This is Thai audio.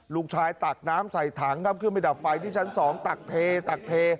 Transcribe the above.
ลูกชายตักน้ำใส่ถังครับขึ้นไปดับไฟที่ชั้น๒ตักเทตักเท